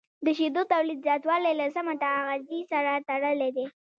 د شیدو تولید زیاتوالی له سمه تغذیې سره تړلی دی.